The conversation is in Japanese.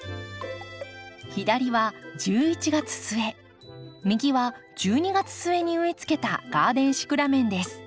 左は１１月末右は１２月末に植えつけたガーデンシクラメンです。